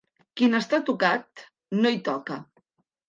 Qui n'està tocat no hi toca.